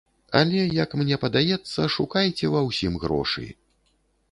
Але, як мне падаецца, шукайце ва ўсім грошы.